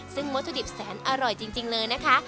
ซึ่งวัตถุดิบแสนอร่อยจริงเลยนะคะ